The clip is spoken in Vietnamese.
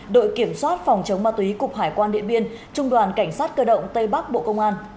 đội kiểm soát phòng chống ma túy cục hải quan điện biên trung đoàn cảnh sát cơ động tây bắc bộ công an